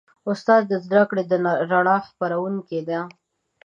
استاد د زدهکړو د رڼا خپروونکی دی.